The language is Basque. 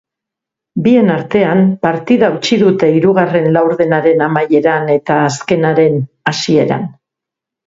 Bien artean, partida hautsi dute hirugarren laurdenaren amaieran eta azkenaren hasieran.